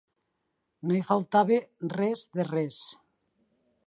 No hi faltava res de res.